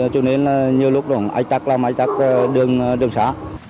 cho nên là nhiều lúc đồng ách tắt làm ách tắt đường xã